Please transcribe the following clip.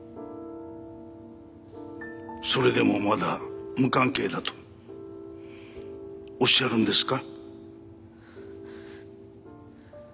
それでもまだ無関係だとおっしゃるんですか？